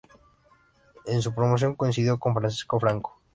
En su promoción coincidió con Francisco Franco.